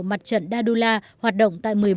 mặt trận dadullah hoạt động tại một mươi bốn